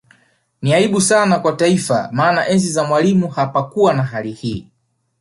Ni aibu sana kwa Taifa maana enzi za Mwalimu hapakukuwa na hali hii